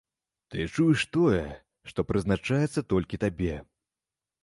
Ты чуеш тое, што прызначаецца толькі табе.